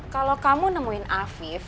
kalau kamu nemuin afif